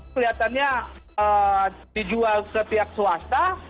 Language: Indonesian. kelihatannya dijual ke pihak swasta